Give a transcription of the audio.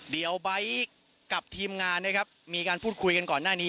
เดี๋ยวไบท์กับทีมงานนะครับมีการพูดคุยกันก่อนหน้านี้